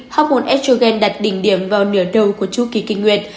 hóc môn estrogen đặt đỉnh điểm vào nửa đầu của chu kỳ kinh nguyệt